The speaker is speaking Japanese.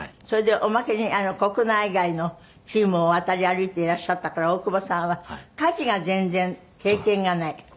それでおまけに国内外のチームを渡り歩いていらっしゃったから大久保さんは家事が全然経験がない？